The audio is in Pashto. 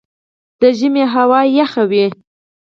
د ژمي هوا یخه وي